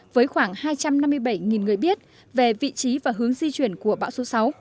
với khoảng hai trăm năm mươi bảy người biết về vị trí và hướng di chuyển của bão số sáu